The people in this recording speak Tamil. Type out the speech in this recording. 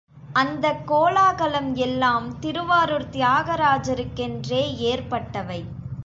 அந்தக் கோலாகலம் எல்லாம் திருவாரூர் தியாகராஜருக்கென்றே ஏற்பட்டவை.